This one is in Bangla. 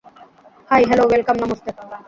High, hello, welcome, namaste!